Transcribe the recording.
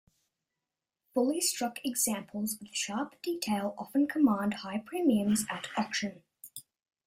Fully struck examples with sharp detail often command high premiums at auction.